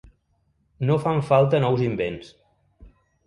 No fan falta nous invents.